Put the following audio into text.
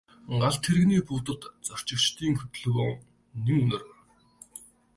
Галт тэрэгний буудалд зорчигчдын хөдөлгөөн нэн өнөр.